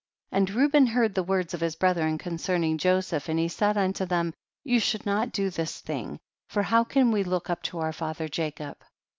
26. And Reuben heard the words of his brethren concerning Joseph, and he said unto them, you should not do this thing, for how can we look up to our father Jacob